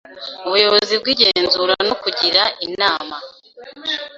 Ubuyobozi bw igenzura no kugira inama